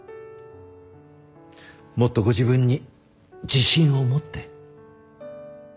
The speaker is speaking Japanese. もっとご自分に自信を持って。